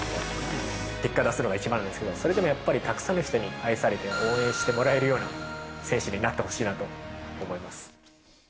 結果を出すのが一番ですけれども、それでもやっぱりたくさんの人に愛されて、応援してもらえるような選手になってほしいなと思います。